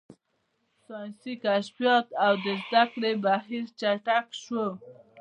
ساینسي کشفیات او د زده کړې بهیر چټک شو.